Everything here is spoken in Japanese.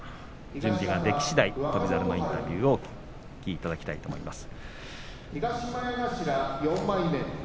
準備ができしだい翔猿のインタビューをお聞きいただきたいと思います。